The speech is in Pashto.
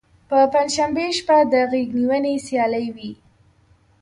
په پنجشنبې شپه د غیږ نیونې سیالۍ وي.